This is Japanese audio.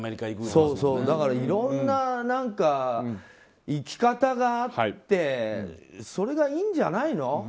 だから、いろんな生き方があってそれがいいんじゃないの？